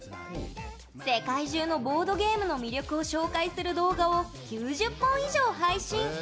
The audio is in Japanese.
世界中のボードゲームの魅力を紹介する動画を９０本以上配信。